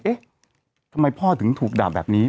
เอ๊ะทำไมพ่อถึงถูกด่าแบบนี้